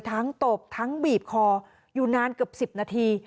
ตบทั้งบีบคออยู่นานเกือบ๑๐นาที